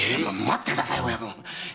ま待ってください。